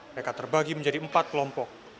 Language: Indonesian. mereka terbagi menjadi empat kelompok